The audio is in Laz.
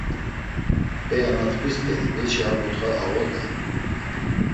P̌ea na t̆ǩvi st̆eri beçi ar mutxa ağodey.